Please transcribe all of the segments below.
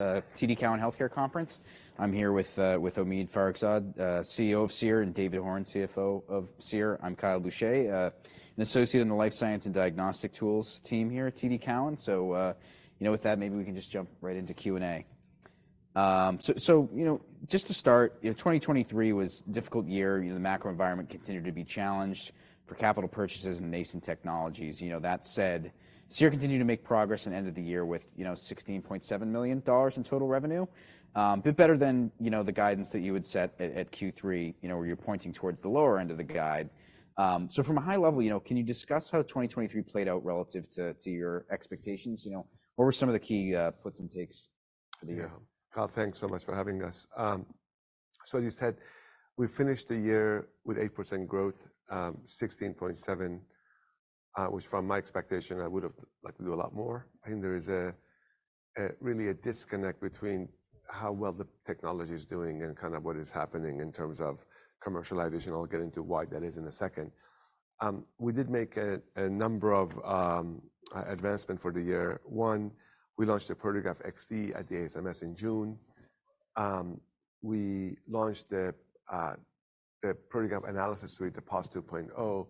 TD Cowen Healthcare Conference. I'm here with Omid Farokhzad, CEO of Seer, and David Horn, CFO of Seer. I'm Kyle Boucher, an associate in the Life Science and Diagnostic Tools team here at TD Cowen. So with that, maybe we can just jump right into Q&A. So just to start, 2023 was a difficult year. The macro environment continued to be challenged for capital purchases and nascent technologies. That said, Seer continued to make progress at the end of the year with $16.7 million in total revenue, a bit better than the guidance that you had set at Q3, where you're pointing towards the lower end of the guide. So from a high level, can you discuss how 2023 played out relative to your expectations? What were some of the key puts and takes for the year? Kyle, thanks so much for having us. So as you said, we finished the year with 8% growth, 16.7%, which from my expectation, I would have liked to do a lot more. I think there is really a disconnect between how well the technology is doing and kind of what is happening in terms of commercialization. I'll get into why that is in a second. We did make a number of advancements for the year. One, we launched the Proteograph XT at the ASMS in June. We launched the Proteograph Analysis Suite, the PAS 2.0,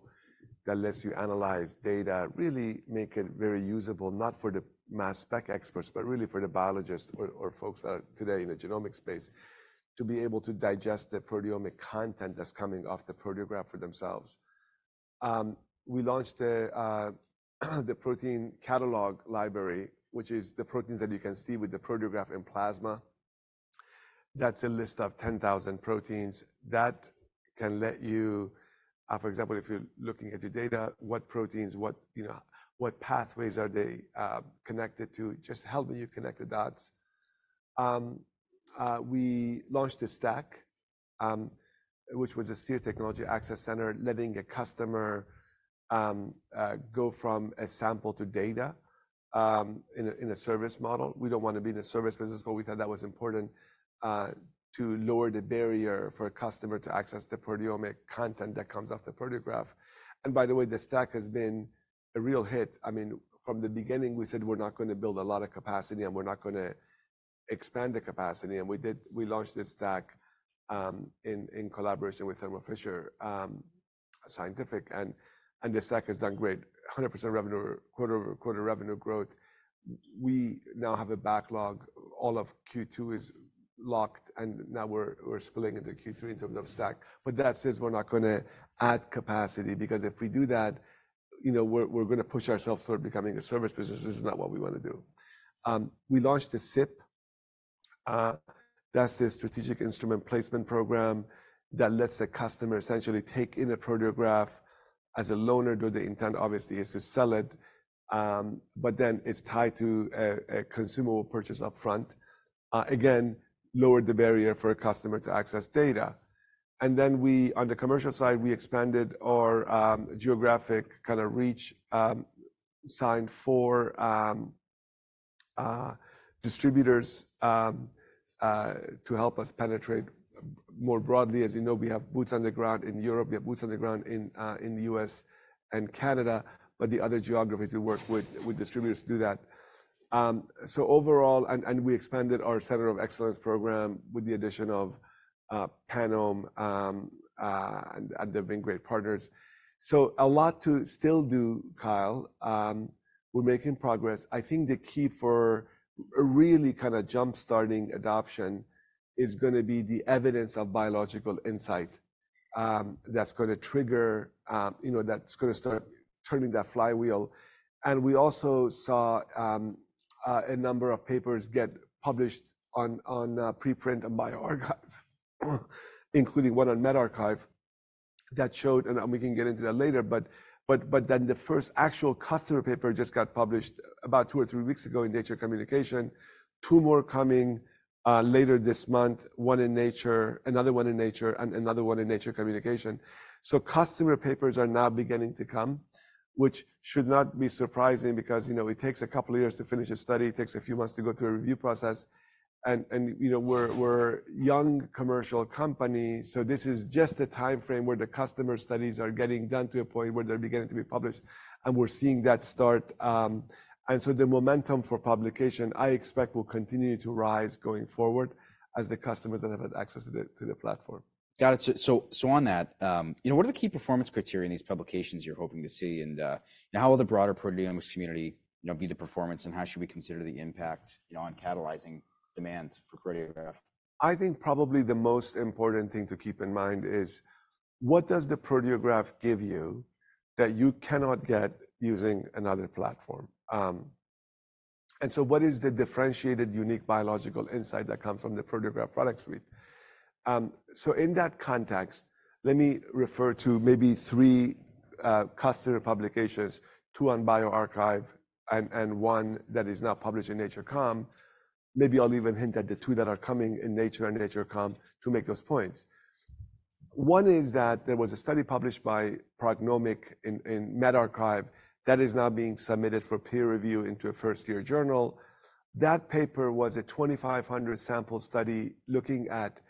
that lets you analyze data, really make it very usable, not for the mass spec experts, but really for the biologists or folks that are today in the genomic space, to be able to digest the proteomic content that's coming off the Proteograph for themselves. We launched the protein catalog library, which is the proteins that you can see with the Proteograph in plasma. That's a list of 10,000 proteins that can let you, for example, if you're looking at your data, what proteins, what pathways are they connected to, just helping you connect the dots. We launched the STAC, which was a Seer Technology Access Center, letting a customer go from a sample to data in a service model. We don't want to be in a service business, but we thought that was important to lower the barrier for a customer to access the proteomic content that comes off the Proteograph. And by the way, the STAC has been a real hit. I mean, from the beginning, we said we're not going to build a lot of capacity, and we're not going to expand the capacity. We launched this STAC in collaboration with Thermo Fisher Scientific. The STAC has done great, 100% quarter-over-quarter revenue growth. We now have a backlog. All of Q2 is locked, and now we're splitting into Q3 in terms of STAC. But that says we're not going to add capacity because if we do that, we're going to push ourselves toward becoming a service business. This is not what we want to do. We launched the SIP. That's the Strategic Instrument Placement Program that lets a customer essentially take in a Proteograph as a loaner though the intent, obviously, is to sell it. But then it's tied to a consumable purchase upfront, again, lower the barrier for a customer to access data. And then on the commercial side, we expanded our geographic kind of reach, signed four distributors to help us penetrate more broadly. As you know, we have boots on the ground in Europe. We have boots on the ground in the U.S. and Canada, but the other geographies we work with distributors do that. So overall, and we expanded our Centers of Excellence Program with the addition of Panome Bio and the Vingroup partners. So a lot to still do, Kyle. We're making progress. I think the key for a really kind of jump-starting adoption is going to be the evidence of biological insight that's going to trigger, that's going to start turning that flywheel. And we also saw a number of papers get published on preprint and bioRxiv, including one on medRxiv that showed, and we can get into that later. But then the first actual customer paper just got published about 2 or 3 weeks ago in Nature Communications, two more coming later this month, one in Nature, another one in Nature, and another one in Nature Communications. So customer papers are now beginning to come, which should not be surprising because it takes a couple of years to finish a study. It takes a few months to go through a review process. And we're a young commercial company, so this is just the time frame where the customer studies are getting done to a point where they're beginning to be published, and we're seeing that start. And so the momentum for publication, I expect, will continue to rise going forward as the customers that have had access to the platform. Got it. So on that, what are the key performance criteria in these publications you're hoping to see? And how will the broader proteomics community view the performance, and how should we consider the impact on catalyzing demand for Proteograph? I think probably the most important thing to keep in mind is what does the Proteograph give you that you cannot get using another platform? And so what is the differentiated, unique biological insight that comes from the Proteograph Product Suite? So in that context, let me refer to maybe three customer publications, two on bioRxiv and one that is now published in Nature Communications. Maybe I'll even hint at the two that are coming in Nature and Nature Communications to make those points. One is that there was a study published by PrognomiQ in medRxiv that is now being submitted for peer review into a first-tier journal. That paper was a 2,500-sample study looking at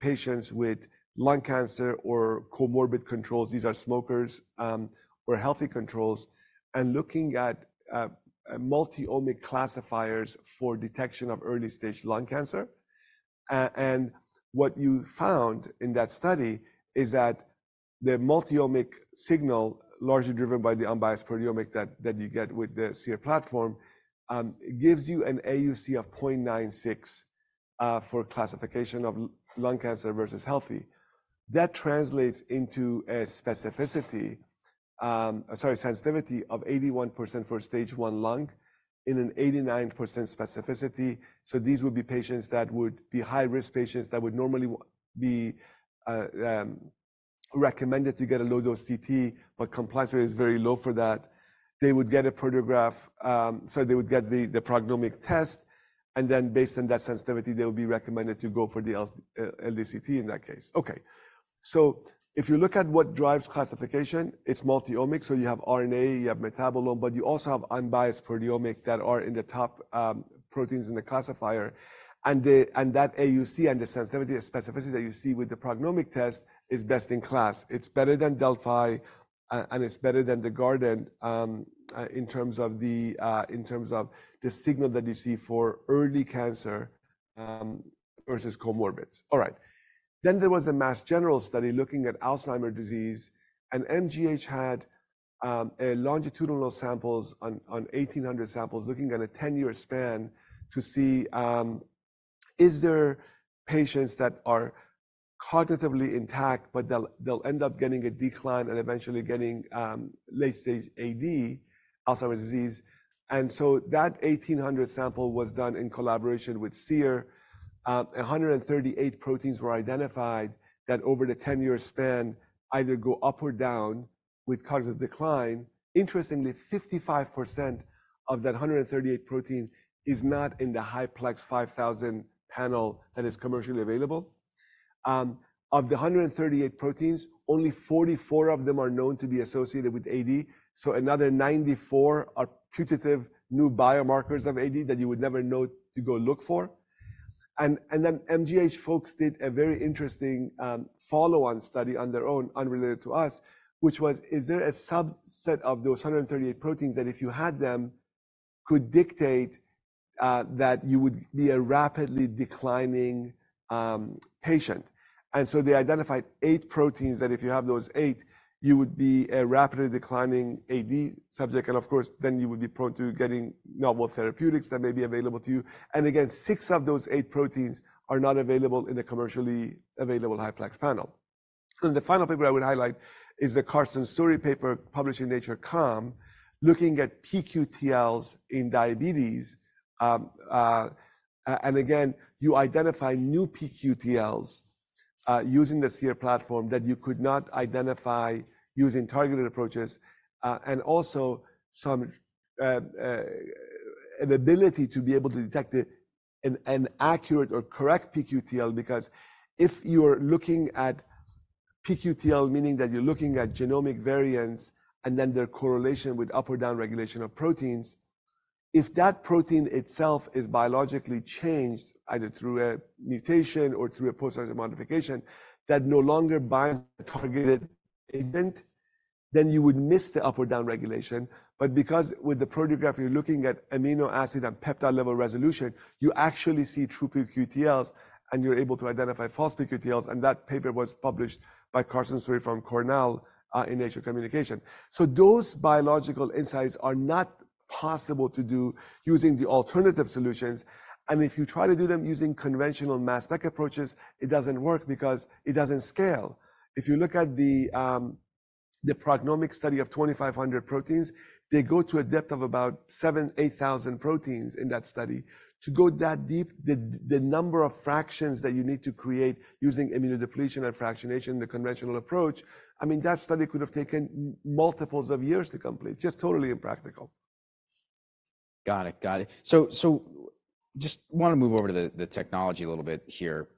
patients with lung cancer or comorbid controls. These are smokers or healthy controls, and looking at multiomic classifiers for detection of early-stage lung cancer. What you found in that study is that the multiomic signal, largely driven by the unbiased proteomics that you get with the Seer platform, gives you an AUC of 0.96 for classification of lung cancer versus healthy. That translates into a specificity, sorry, sensitivity of 81% for stage I lung in an 89% specificity. So these would be patients that would be high-risk patients that would normally be recommended to get a low-dose CT, but compliance rate is very low for that. They would get a PrognomiQ, sorry, they would get the PrognomiQ test, and then based on that sensitivity, they would be recommended to go for the LDCT in that case. Okay. So if you look at what drives classification, it's multiomic. So you have RNA, you have metabolome, but you also have unbiased proteomics that are in the top proteins in the classifier. That AUC and the sensitivity, the specificity that you see with the PrognomiQ test is best in class. It's better than Delfi, and it's better than the Guardant in terms of the signal that you see for early cancer versus comorbids. All right. Then there was a Mass General study looking at Alzheimer's disease, and MGH had longitudinal samples on 1,800 samples looking at a 10-year span to see is there patients that are cognitively intact, but they'll end up getting a decline and eventually getting late-stage AD, Alzheimer's disease. And so that 1,800 sample was done in collaboration with Seer. 138 proteins were identified that over the 10-year span either go up or down with cognitive decline. Interestingly, 55% of that 138 protein is not in the high-plex 5,000 panel that is commercially available. Of the 138 proteins, only 44 of them are known to be associated with AD, so another 94 are putative new biomarkers of AD that you would never know to go look for. Then MGH folks did a very interesting follow-on study on their own, unrelated to us, which was: Is there a subset of those 138 proteins that if you had them could dictate that you would be a rapidly declining patient? So they identified 8 proteins that if you have those 8, you would be a rapidly declining AD subject. Of course, then you would be prone to getting novel therapeutics that may be available to you. Again, 6 of those 8 proteins are not available in a commercially available high-plex panel. The final paper I would highlight is the Karsten Suhre paper published in Nature Communications looking at pQTLs in diabetes. You identify new pQTLs using the Seer platform that you could not identify using targeted approaches, and also some ability to be able to detect an accurate or correct pQTL because if you're looking at pQTL, meaning that you're looking at genomic variants and then their correlation with up or down regulation of proteins, if that protein itself is biologically changed, either through a mutation or through a post-surgical modification, that no longer binds the targeted agent, then you would miss the up or down regulation. But because with the Proteograph, you're looking at amino acid and peptide level resolution, you actually see true pQTLs, and you're able to identify false pQTLs. That paper was published by Karsten Suhre from Cornell in Nature Communications. Those biological insights are not possible to do using the alternative solutions. If you try to do them using conventional mass spec approaches, it doesn't work because it doesn't scale. If you look at the PrognomiQ study of 2,500 proteins, they go to a depth of about 7,000-8,000 proteins in that study. To go that deep, the number of fractions that you need to create using immunodepletion and fractionation in the conventional approach, I mean, that study could have taken multiples of years to complete, just totally impractical. Got it. Got it. So just want to move over to the technology a little bit here,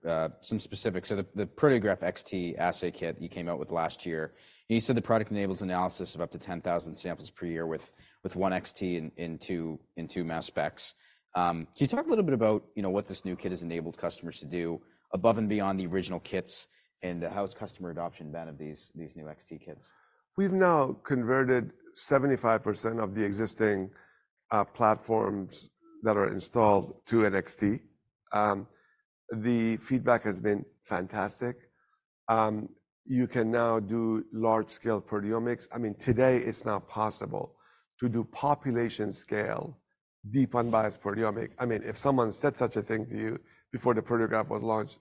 some specifics. So the Proteograph XT Assay Kit you came out with last year, you said the product enables analysis of up to 10,000 samples per year with one XT in two mass specs. Can you talk a little bit about what this new kit has enabled customers to do above and beyond the original kits, and how has customer adoption been of these new XT kits? We've now converted 75% of the existing platforms that are installed to an XT. The feedback has been fantastic. You can now do large-scale proteomics. I mean, today it's now possible to do population-scale deep unbiased proteomic. I mean, if someone said such a thing to you before the Proteograph was launched,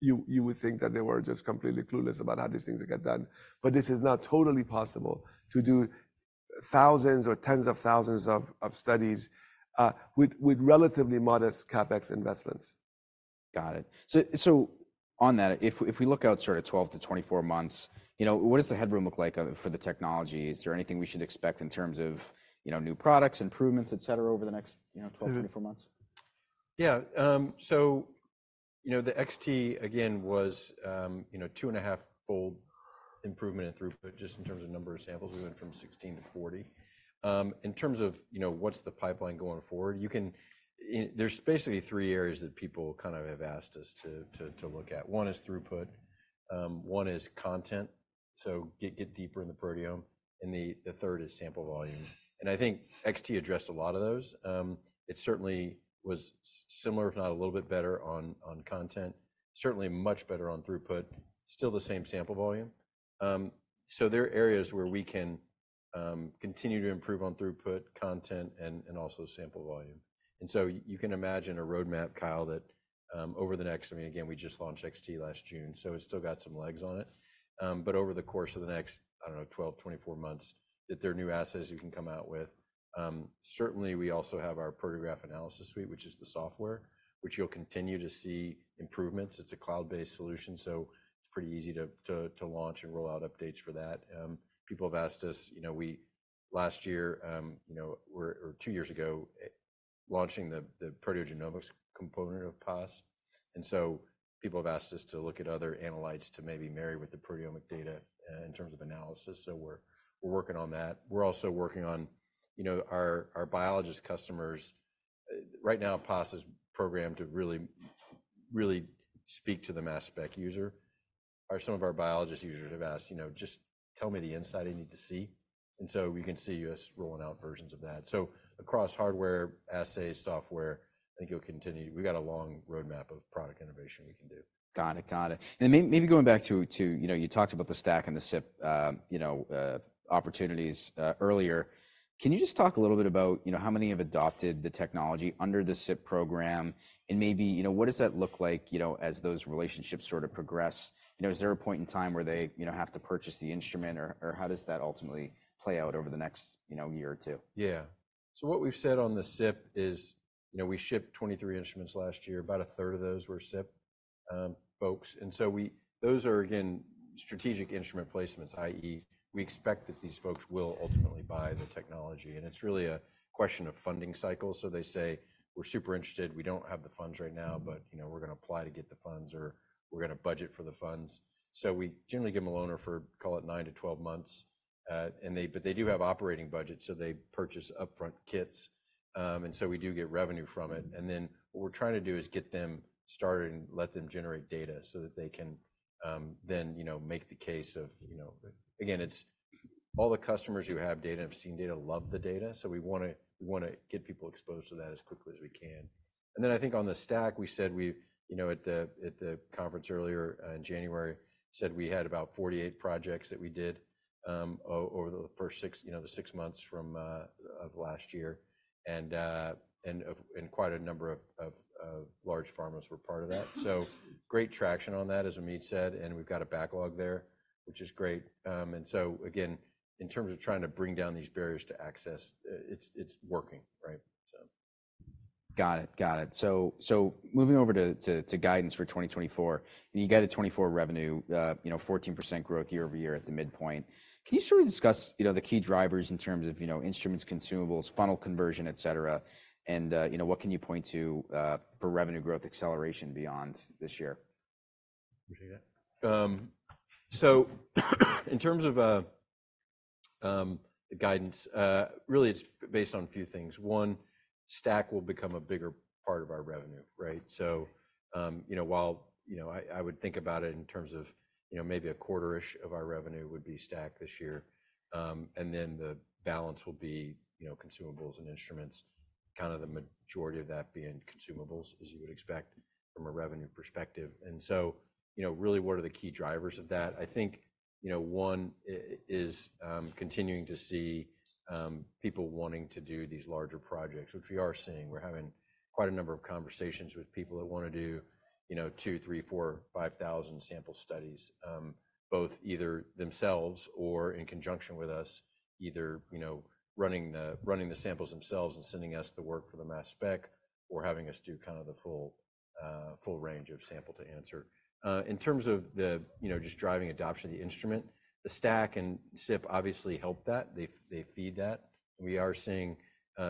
you would think that they were just completely clueless about how these things get done. But this is now totally possible to do thousands or tens of thousands of studies with relatively modest CapEx investments. Got it. So on that, if we look out, sorry, 12-24 months, what does the headroom look like for the technology? Is there anything we should expect in terms of new products, improvements, etc., over the next 12-24 months? Yeah. So the XT, again, was 2.5-fold improvement in throughput just in terms of number of samples. We went from 16 to 40. In terms of what's the pipeline going forward, there's basically three areas that people kind of have asked us to look at. One is throughput. One is content, so get deeper in the proteome. And the third is sample volume. And I think XT addressed a lot of those. It certainly was similar, if not a little bit better, on content, certainly much better on throughput, still the same sample volume. So there are areas where we can continue to improve on throughput, content, and also sample volume. And so you can imagine a roadmap, Kyle, that over the next, I mean, again, we just launched XT last June, so it's still got some legs on it. But over the course of the next, I don't know, 12, 24 months, that there are new assets you can come out with. Certainly, we also have our Proteograph Analysis Suite, which is the software, which you'll continue to see improvements. It's a cloud-based solution, so it's pretty easy to launch and roll out updates for that. People have asked us, last year or 2 years ago, launching the proteogenomics component of PAS. And so people have asked us to look at other analytes to maybe marry with the proteomic data in terms of analysis. So we're working on that. We're also working on our biologist customers. Right now, PAS is programmed to really speak to the mass spec user. Some of our biologist users have asked, "Just tell me the insight I need to see." And so we can see us rolling out versions of that. Across hardware, assays, software, I think it'll continue. We've got a long roadmap of product innovation we can do. Got it. Got it. And maybe going back to you talked about the STAC and the SIP opportunities earlier. Can you just talk a little bit about how many have adopted the technology under the SIP program? And maybe what does that look like as those relationships sort of progress? Is there a point in time where they have to purchase the instrument, or how does that ultimately play out over the next year or two? Yeah. So what we've said on the SIP is we shipped 23 instruments last year. About a third of those were SIP folks. And so those are, again, strategic instrument placements, i.e., we expect that these folks will ultimately buy the technology. And it's really a question of funding cycle. So they say, "We're super interested. We don't have the funds right now, but we're going to apply to get the funds," or, "We're going to budget for the funds." So we generally give them a loaner for, call it, 9-12 months. But they do have operating budgets, so they purchase upfront kits. And so we do get revenue from it. And then what we're trying to do is get them started and let them generate data so that they can then make the case of again, it's all the customers who have data and have seen data love the data. So we want to get people exposed to that as quickly as we can. And then I think on the STAC, we said at the conference earlier in January, said we had about 48 projects that we did over the first six months of last year, and quite a number of large pharmas were part of that. So great traction on that, as Omid said, and we've got a backlog there, which is great. And so again, in terms of trying to bring down these barriers to access, it's working, right? Got it. Got it. So moving over to guidance for 2024, you got a 2024 revenue, 14% growth year-over-year at the midpoint. Can you sort of discuss the key drivers in terms of instruments, consumables, funnel conversion, etc., and what can you point to for revenue growth acceleration beyond this year? Appreciate that. So in terms of the guidance, really, it's based on a few things. One, STAC will become a bigger part of our revenue, right? So while I would think about it in terms of maybe a quarter-ish of our revenue would be STAC this year, and then the balance will be consumables and instruments, kind of the majority of that being consumables, as you would expect from a revenue perspective. And so really, what are the key drivers of that? I think one is continuing to see people wanting to do these larger projects, which we are seeing. We're having quite a number of conversations with people that want to do two, three, four, 5,000 sample studies, both either themselves or in conjunction with us, either running the samples themselves and sending us the work for the mass spec or having us do kind of the full range of sample-to-answer. In terms of just driving adoption of the instrument, the STAC and SIP obviously help that. They feed that. And we are seeing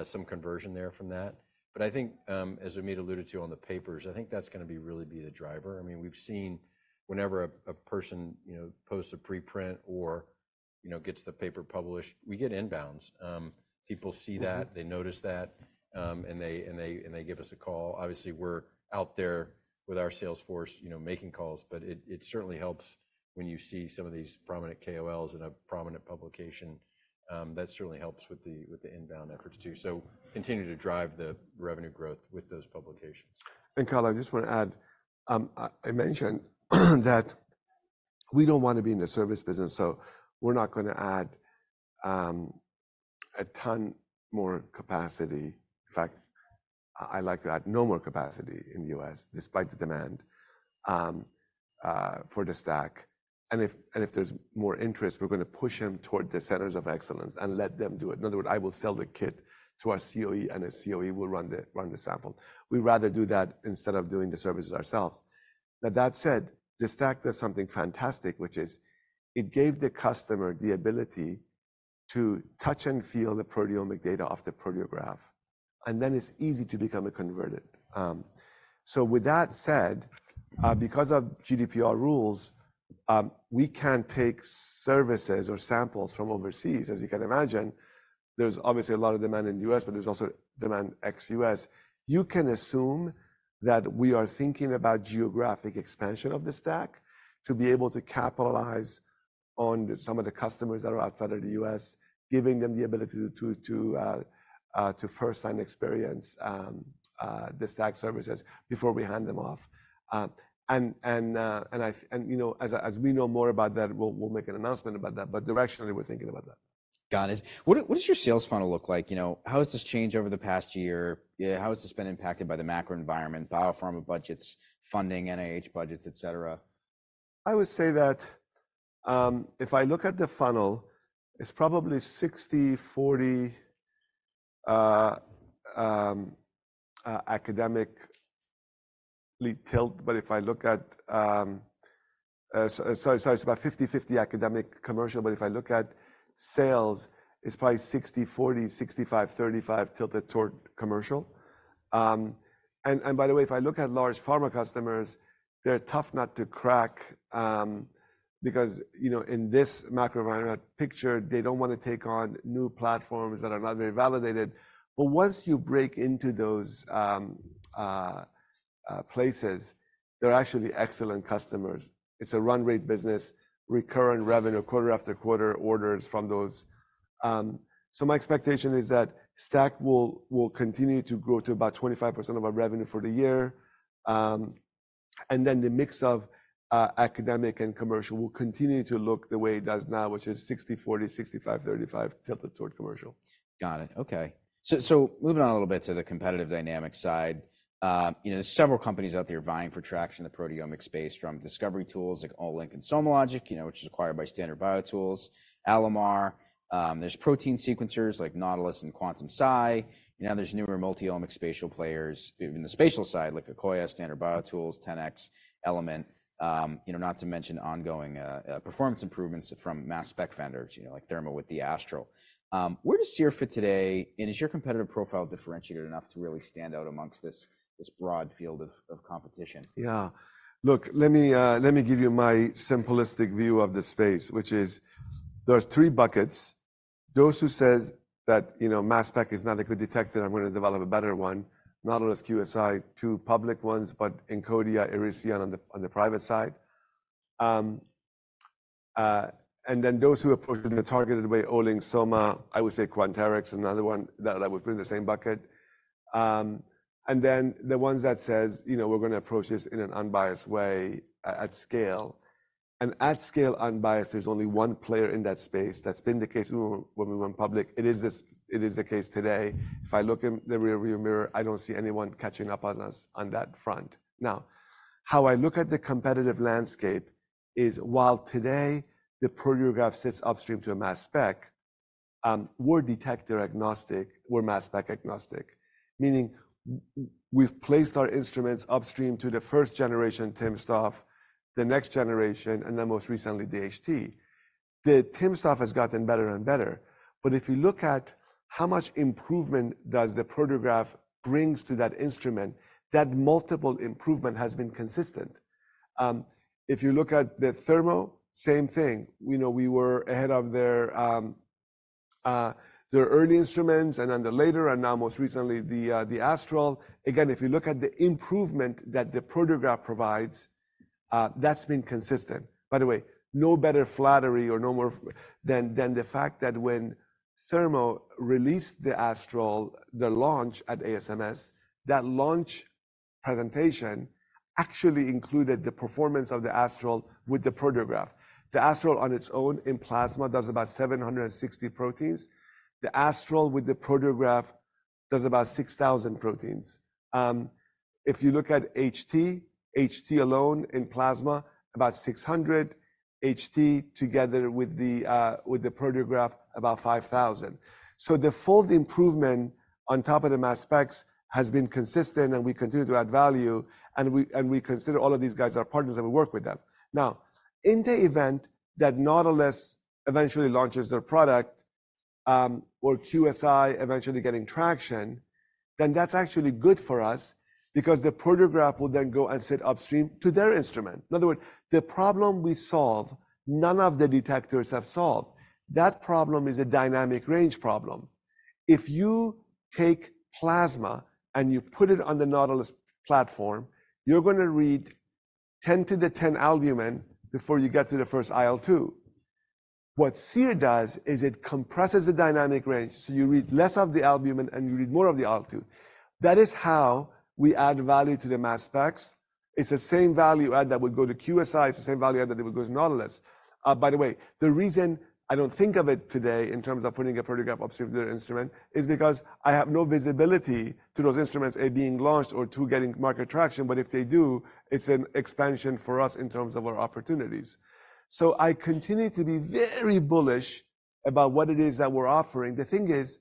some conversion there from that. But I think, as Omid alluded to on the papers, I mean, we've seen whenever a person posts a preprint or gets the paper published, we get inbounds. People see that. They notice that, and they give us a call. Obviously, we're out there with our salesforce making calls, but it certainly helps when you see some of these prominent KOLs in a prominent publication. That certainly helps with the inbound efforts too. So continue to drive the revenue growth with those publications. Kyle, I just want to add. I mentioned that we don't want to be in the service business, so we're not going to add a ton more capacity. In fact, I like to add no more capacity in the U.S. despite the demand for the STAC. If there's more interest, we're going to push them toward the centers of excellence and let them do it. In other words, I will sell the kit to our COE, and the COE will run the sample. We'd rather do that instead of doing the services ourselves. Now, that said, the STAC does something fantastic, which is it gave the customer the ability to touch and feel the proteomic data off the Proteograph, and then it's easy to become a converted. With that said, because of GDPR rules, we can't take services or samples from overseas. As you can imagine, there's obviously a lot of demand in the U.S., but there's also demand ex-U.S. You can assume that we are thinking about geographic expansion of the STAC to be able to capitalize on some of the customers that are outside of the U.S., giving them the ability to firsthand experience the STAC services before we hand them off. As we know more about that, we'll make an announcement about that. Directionally, we're thinking about that. Got it. What does your sales funnel look like? How has this changed over the past year? How has this been impacted by the macro environment, bio-pharma budgets, funding, NIH budgets, etc.? I would say that if I look at the funnel, it's probably 60/40 academic tilt. But if I look at, it's about 50/50 academic-commercial. But if I look at sales, it's probably 60/40, 65/35 tilted toward commercial. And by the way, if I look at large pharma customers, they're tough not to crack because in this macro environment picture, they don't want to take on new platforms that are not very validated. But once you break into those places, they're actually excellent customers. It's a run-rate business, recurrent revenue, quarter after quarter orders from those. So my expectation is that STAC will continue to grow to about 25% of our revenue for the year. And then the mix of academic and commercial will continue to look the way it does now, which is 60/40, 65/35 tilted toward commercial. Got it. Okay. So moving on a little bit to the competitive dynamic side, there's several companies out there vying for traction in the proteomic space from discovery tools like Olink and SomaLogic, which is acquired by Standard BioTools, Alamar Biosciences. There's protein sequencers like Nautilus Biotechnology and Quantum-Si. Now, there's newer multi-omic spatial players in the spatial side like Akoya Biosciences, Standard BioTools, 10x Genomics, Element Biosciences, not to mention ongoing performance improvements from mass spec vendors like Thermo Fisher Scientific with the Astral. Where does Seer for today, and is your competitive profile differentiated enough to really stand out amongst this broad field of competition? Yeah. Look, let me give you my simplistic view of the space, which is there are three buckets. Those who said that mass spec is not a good detector, I'm going to develop a better one, Nautilus, QSI, two public ones, but Encodia/Erisyon on the private side. And then those who approach it in a targeted way, Olink, Soma, I would say Quanterix is another one that would be in the same bucket. And then the ones that say, "We're going to approach this in an unbiased way at scale." And at scale, unbiased, there's only one player in that space. That's been the case when we went public. It is the case today. If I look in the rearview mirror, I don't see anyone catching up on us on that front. Now, how I look at the competitive landscape is while today the Proteograph sits upstream to a mass spec, we're detector-agnostic, we're mass spec-agnostic, meaning we've placed our instruments upstream to the first-generation timsTOF, the next generation, and then most recently, HT. The timsTOF has gotten better and better. But if you look at how much improvement the Proteograph brings to that instrument, that multiple improvement has been consistent. If you look at the Thermo, same thing. We were ahead of their early instruments and on the later and now most recently, the Astral. Again, if you look at the improvement that the Proteograph provides, that's been consistent. By the way, no better flattery or no more than the fact that when Thermo released the Astral, the launch at ASMS, that launch presentation actually included the performance of the Astral with the Proteograph. The Astral on its own in plasma does about 760 proteins. The Astral with the Proteograph does about 6,000 proteins. If you look at HT, HT alone in plasma, about 600. HT together with the Proteograph, about 5,000. So the full improvement on top of the mass specs has been consistent, and we continue to add value. And we consider all of these guys our partners, and we work with them. Now, in the event that Nautilus eventually launches their product or QSI eventually getting traction, then that's actually good for us because the Proteograph will then go and sit upstream to their instrument. In other words, the problem we solve, none of the detectors have solved. That problem is a dynamic range problem. If you take plasma and you put it on the Nautilus platform, you're going to read 10^10 albumin before you get to the first IL-2. What Seer does is it compresses the dynamic range, so you read less of the albumin and you read more of the IL-2. That is how we add value to the mass specs. It's the same value add that would go to QSI. It's the same value add that would go to Nautilus. By the way, the reason I don't think of it today in terms of putting a Proteograph upstream to their instrument is because I have no visibility to those instruments, A, being launched, or 2, getting market traction. But if they do, it's an expansion for us in terms of our opportunities. So I continue to be very bullish about what it is that we're offering. The thing is,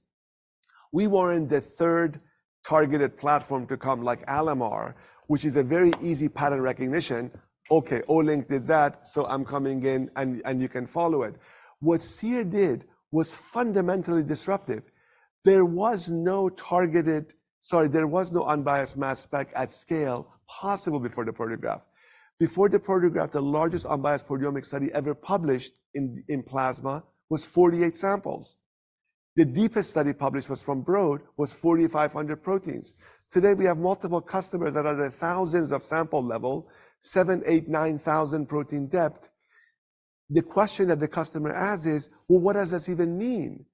we weren't the 3rd targeted platform to come like Alamar, which is a very easy pattern recognition. Okay, Olink did that, so I'm coming in and you can follow it. What Seer did was fundamentally disruptive. There was no targeted sorry, there was no unbiased mass spec at scale possible before the Proteograph. Before the Proteograph, the largest unbiased proteomic study ever published in plasma was 48 samples. The deepest study published from Broad was 4,500 proteins. Today, we have multiple customers that are at thousands of sample level, 7,000, 8,000, 9,000 protein depth. The question that the customer asks is, "Well, what does this even mean?"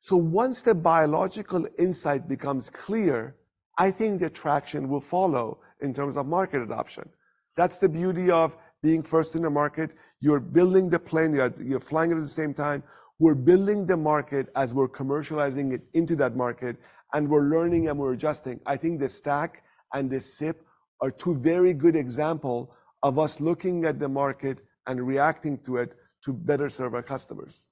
So once the biological insight becomes clear, I think the traction will follow in terms of market adoption. That's the beauty of being first in the market. You're building the plane. You're flying it at the same time. We're building the market as we're commercializing it into that market, and we're learning and we're adjusting. I think the STAC and the SIP are two very good examples of us looking at the market and reacting to it to better serve our customers.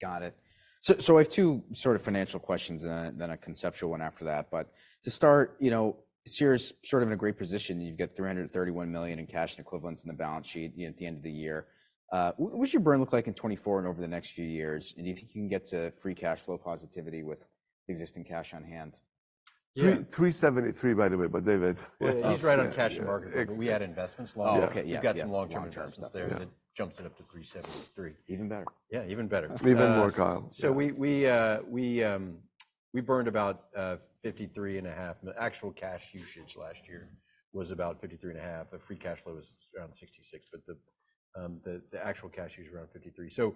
Got it. So I have two sort of financial questions and then a conceptual one after that. But to start, Seer is sort of in a great position. You've got $331 million in cash and equivalents in the balance sheet at the end of the year. What's your burn look like in 2024 and over the next few years? And do you think you can get to free cash flow positivity with the existing cash on hand? 373, by the way. But David. He's right on cash and market. We add investments long. You've got some long-term returns there, and it jumps it up to 373. Even better. Yeah, even better. Even more, Kyle. So we burned about $53.5. Actual cash usage last year was about $53.5. The free cash flow was around $66, but the actual cash use was around $53. So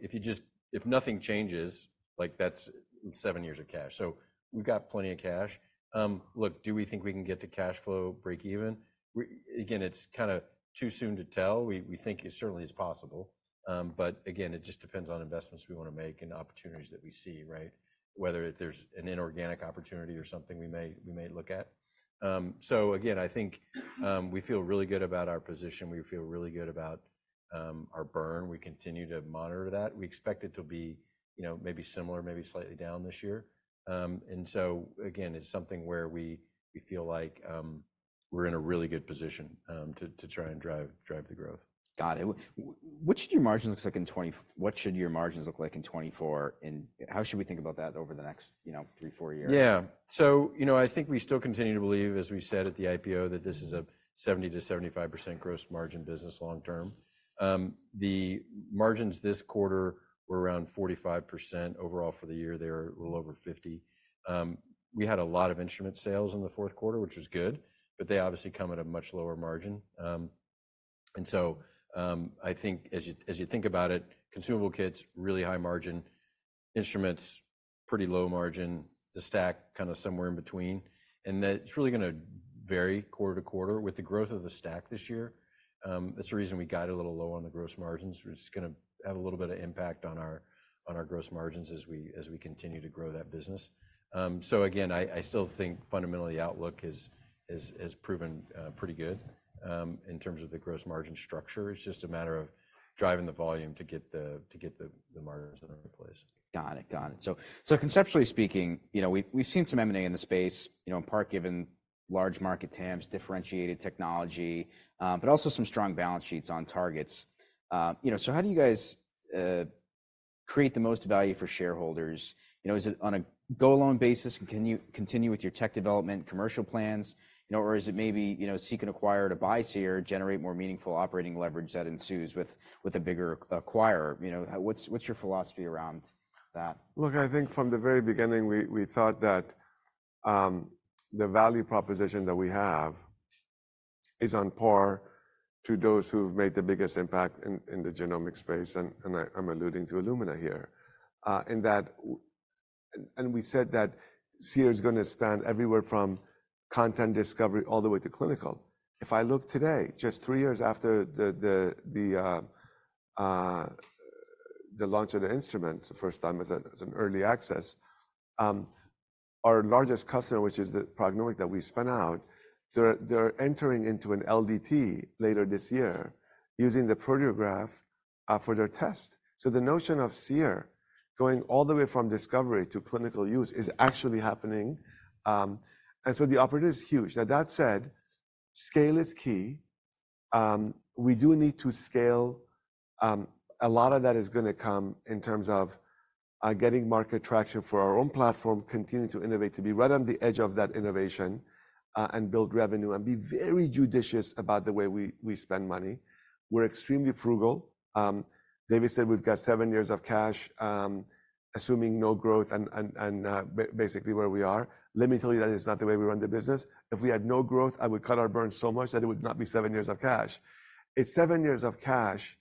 if you just if nothing changes, that's seven years of cash. So we've got plenty of cash. Look, do we think we can get to cash flow break-even? Again, it's kind of too soon to tell. We think it certainly is possible. But again, it just depends on investments we want to make and opportunities that we see, right, whether there's an inorganic opportunity or something we may look at. So again, I think we feel really good about our position. We feel really good about our burn. We continue to monitor that. We expect it to be maybe similar, maybe slightly down this year. Again, it's something where we feel like we're in a really good position to try and drive the growth. Got it. What should your margins look like in 2024? What should your margins look like in 2024? How should we think about that over the next 3-4 years? Yeah. So I think we still continue to believe, as we said at the IPO, that this is a 70%-75% gross margin business long term. The margins this quarter were around 45% overall for the year. They were a little over 50%. We had a lot of instrument sales in the fourth quarter, which was good, but they obviously come at a much lower margin. And so I think as you think about it, consumable kits, really high margin, instruments, pretty low margin, the STAC kind of somewhere in between. And it's really going to vary quarter to quarter with the growth of the STAC this year. That's the reason we guided a little low on the gross margins, which is going to have a little bit of impact on our gross margins as we continue to grow that business. So again, I still think fundamentally outlook has proven pretty good in terms of the gross margin structure. It's just a matter of driving the volume to get the margins in the right place. Got it. Got it. So conceptually speaking, we've seen some M&A in the space, in part given large market TAMs, differentiated technology, but also some strong balance sheets on targets. So how do you guys create the most value for shareholders? Is it on a go-alone basis? Can you continue with your tech development, commercial plans? Or is it maybe seek an acquirer to buy Seer, generate more meaningful operating leverage that ensues with a bigger acquirer? What's your philosophy around that? Look, I think from the very beginning, we thought that the value proposition that we have is on par to those who've made the biggest impact in the genomic space. And I'm alluding to Illumina here. And we said that Seer is going to span everywhere from content discovery all the way to clinical. If I look today, just three years after the launch of the instrument the first time as an early access, our largest customer, which is the PrognomiQ that we spun out, they're entering into an LDT later this year using the Proteograph for their test. So the notion of Seer going all the way from discovery to clinical use is actually happening. And so the opportunity is huge. Now, that said, scale is key. We do need to scale. A lot of that is going to come in terms of getting market traction for our own platform, continuing to innovate, to be right on the edge of that innovation and build revenue and be very judicious about the way we spend money. We're extremely frugal. David said we've got 7 years of cash, assuming no growth and basically where we are. Let me tell you that is not the way we run the business. If we had no growth, I would cut our burn so much that it would not be 7 years of cash. It's 7 years of cash.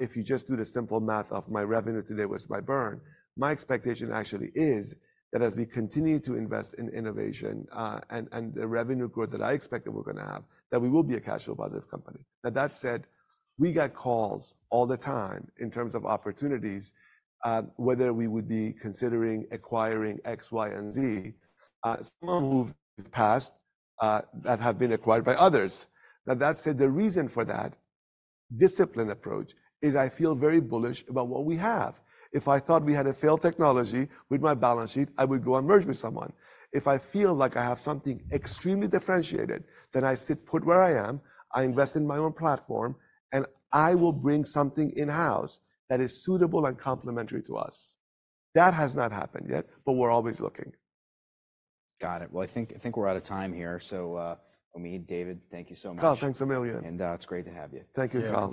If you just do the simple math of my revenue today was my burn, my expectation actually is that as we continue to invest in innovation and the revenue growth that I expect that we're going to have, that we will be a cash flow positive company. Now, that said, we got calls all the time in terms of opportunities, whether we would be considering acquiring X, Y, and Z, some of them have passed that have been acquired by others. Now, that said, the reason for that disciplined approach is I feel very bullish about what we have. If I thought we had a failed technology with my balance sheet, I would go and merge with someone. If I feel like I have something extremely differentiated, then I sit put where I am. I invest in my own platform, and I will bring something in-house that is suitable and complementary to us. That has not happened yet, but we're always looking. Got it. Well, I think we're out of time here. Omid, David, thank you so much. Kyle, thanks a million. It's great to have you. Thank you, Kyle.